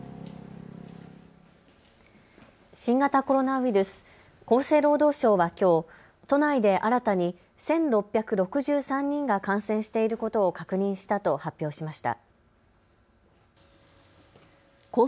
新型コロナウイルス、厚生労働省はきょう都内で新たに１６６３人が感染していることを確認したと発表しました。